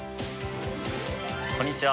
こんにちは。